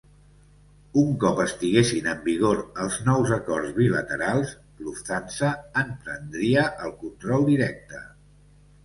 Un cop estiguessin en vigor els nous acords bilaterals, Lufthansa en prendria el control directe.